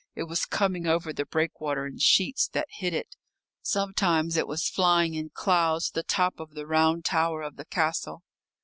It was coming over the breakwater in sheets that hid it. Sometimes it was flying in clouds to the top of the round tower of the castle.